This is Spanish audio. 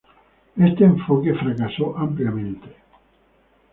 Este enfoque fracasó ampliamente.